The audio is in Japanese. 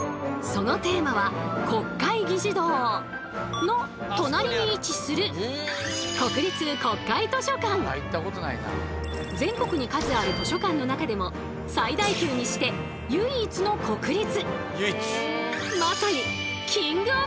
そのテーマは国会議事堂の隣に位置する全国に数ある図書館の中でも最大級にして唯一の国立！